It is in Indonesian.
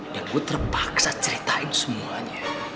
dan gue terpaksa ceritain semuanya